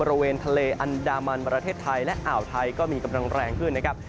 บริเวณทะเลอันดามันประเทศไทยและอ่าวไทยก็มีกำลังแรงขึ้นนะครับ